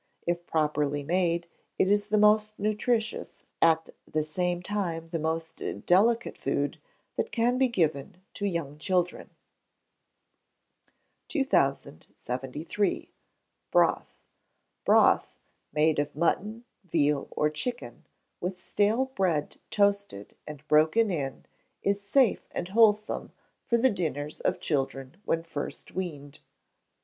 If properly made, it is the most nutritious, at the same time the most delicate food that can be given to young children. 2073. Broth. Broth, made of mutton, veal, or chicken, with stale bread toasted, and broken in, is safe and wholesome for the dinners of children when first weaned.